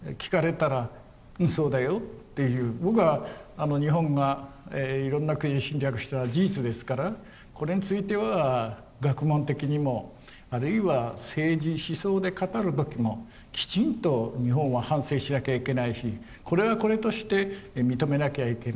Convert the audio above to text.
僕は日本がいろんな国侵略したのは事実ですからこれについては学問的にもあるいは政治思想で語る時もきちんと日本は反省しなきゃいけないしこれはこれとして認めなきゃいけない。